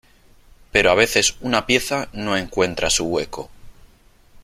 pero a veces una pieza no encuentra su hueco